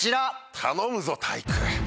頼むぞ体育。